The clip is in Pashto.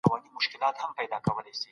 په انټرنیټ کي د پښتو ټایپنګ سرچینې کمي وې.